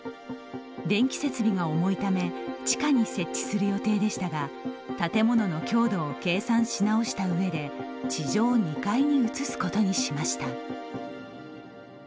電気設備が重いため地下に設置する予定でしたが建物の強度を計算し直した上で地上２階に移すことにしました。